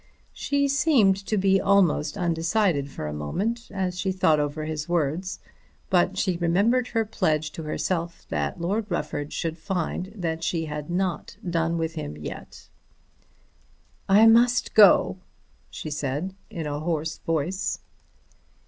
She seemed to be almost undecided for a moment as she thought over his words. But she remembered her pledge to herself that Lord Rufford should find that she had not done with him yet. "I must go," she said in a hoarse voice.